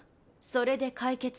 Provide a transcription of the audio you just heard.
それで解決する。